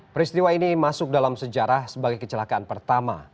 peristiwa ini masuk dalam sejarah sebagai kecelakaan pertama